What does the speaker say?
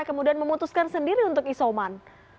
kemudian memutuskan sendiri untuk isoman